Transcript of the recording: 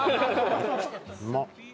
うまっ！